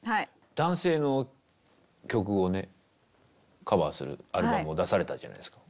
男性の曲をねカヴァーするアルバムを出されたじゃないですか。